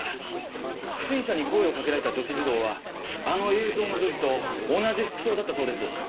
不審者に声をかけられた女子児童はあの映像の女児と同じ服装だったそうです。